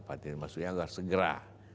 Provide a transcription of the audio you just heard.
tepatin maksudnya agar segera